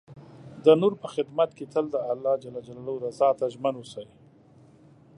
د نور په خدمت کې تل د الله رضا ته ژمن اوسئ.